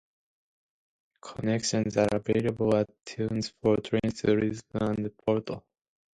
Connections are available at Tunes for trains to Lisbon and Porto.